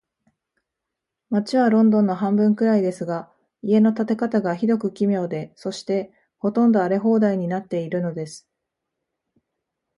街はロンドンの半分くらいですが、家の建て方が、ひどく奇妙で、そして、ほとんど荒れ放題になっているのです。